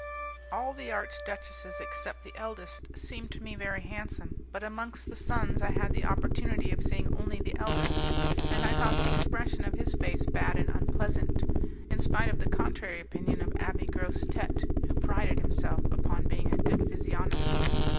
All the archduchesses except the eldest seemed to me very handsome; but amongst the sons I had the opportunity of seeing only the eldest, and I thought the expression of his face bad and unpleasant, in spite of the contrary opinion of Abbé Grosse Tete, who prided himself upon being a good physiognomist.